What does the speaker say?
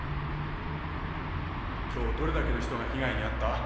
今日どれだけの人が被害に遭った？